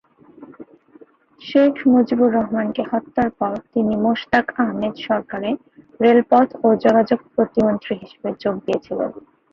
শেখ মুজিবুর রহমানকে হত্যার পর তিনি মোশতাক আহমেদ সরকারে রেলপথ ও যোগাযোগ প্রতিমন্ত্রী হিসাবে যোগ দিয়েছিলেন।